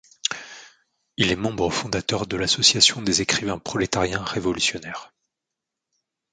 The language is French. Il est membre fondateur de l'Association des écrivains prolétariens révolutionnaires.